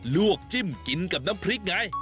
วกจิ้มกินกับน้ำพริกไง